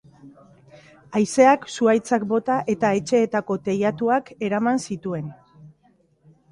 Haizeak zuhaitzak bota eta etxeetako teilatuak eraman zituen.